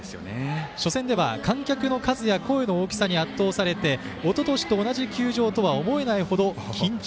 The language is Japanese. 初戦では観客の数や声の大きさに圧倒されておととしと同じ球場とは思えないほど緊張。